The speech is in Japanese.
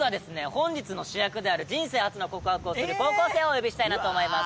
本日の主役である人生初の告白をする高校生をお呼びしたいなと思います。